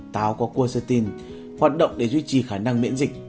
táo có cuatein hoạt động để duy trì khả năng miễn dịch